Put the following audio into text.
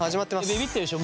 びびってるでしょ。